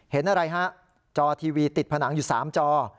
เห็นอะไรฮะจอทีวีติดผนังอยู่๓จอ